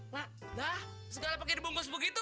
nah dah segala pakai di bumbu sebuah gitu